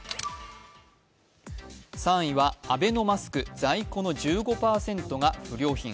３位はアベノマスク在庫の１５％が不良品。